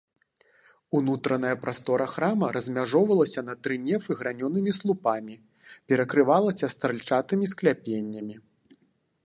Унутраная прастора храма размяжоўвалася на тры нефы гранёнымі слупамі, перакрывалася стральчатымі скляпеннямі.